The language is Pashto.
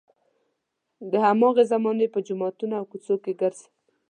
د هماغې زمانې په جوماتونو او کوڅو کې ګرځم.